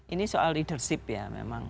ini soal leadership ya memang